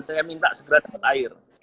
saya minta segera dapat air